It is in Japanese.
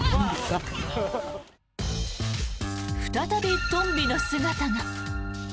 再びトンビの姿が。